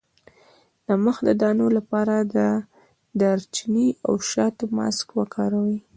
د مخ د دانو لپاره د دارچینی او شاتو ماسک وکاروئ